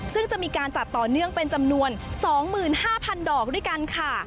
ซึ่งจะมีการจัดต่อเนื่องเป็นจำนวน๒๕๐๐๐ดอกด้วยกันค่ะ